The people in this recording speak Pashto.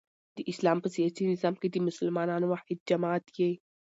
د اسلام په سیاسي نظام کښي د مسلمانانو واحد جماعت يي.